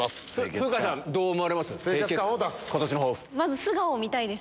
風花さんどう思われます？